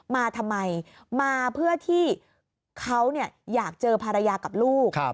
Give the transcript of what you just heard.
มาทำไมมาเพื่อที่เขาอยากเจอภรรยากับลูก